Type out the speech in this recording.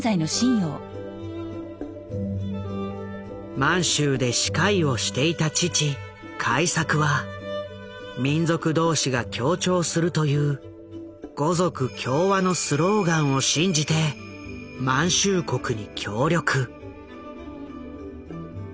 満州で歯科医をしていた父開作は民族同士が協調するという「五族協和」のスローガンを信じて満州国に協力。